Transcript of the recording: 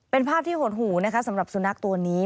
เป็นภาพที่หดหูนะคะสำหรับสุนัขตัวนี้